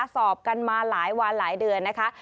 สอบกันมาหลายวันหลายเดือนนะคะ